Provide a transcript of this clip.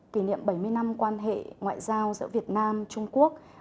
kỷ niệm bảy mươi năm quan hệ ngoại giao giữa việt nam trung quốc